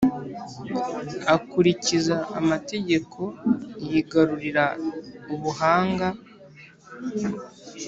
ukurikiza amategeko yigarurira ubuhanga